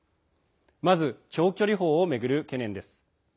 まず、長距離砲を巡る懸念です。